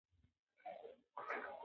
سپین سرې د شیرني ټوټه زوی ته وساتله.